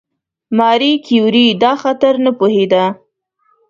ماري کیوري دا خطر نه پوهېده.